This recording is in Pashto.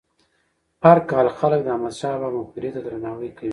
هر کال خلک د احمد شاه بابا مقبرې ته درناوی کوي.